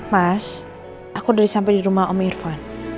mas aku udah disampai di rumah om irfan